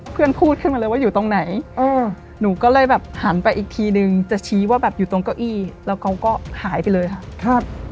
พูดขึ้นมาเลยว่าอยู่ตรงไหนหนูก็เลยแบบหันไปอีกทีนึงจะชี้ว่าแบบอยู่ตรงเก้าอี้แล้วเขาก็หายไปเลยค่ะครับ